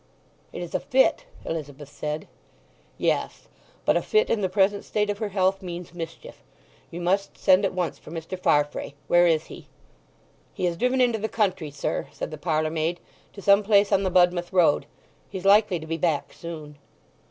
"It is a fit," Elizabeth said. "Yes. But a fit in the present state of her health means mischief. You must send at once for Mr. Farfrae. Where is he?" "He has driven into the country, sir," said the parlour maid; "to some place on the Budmouth Road. He's likely to be back soon."